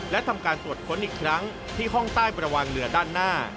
และทำการตรวจค้นอีกครั้งที่ห้องใต้ประวางเรือด้านหน้า